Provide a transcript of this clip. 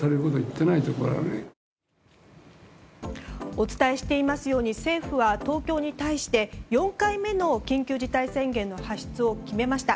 お伝えしていますように政府は東京に対して４回目の緊急事態宣言の発出を決めました。